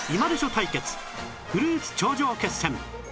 対決フルーツ頂上決戦